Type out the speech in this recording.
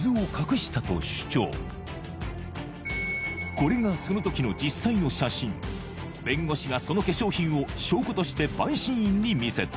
これがその時の実際の写真弁護士がその化粧品を証拠として陪審員に見せた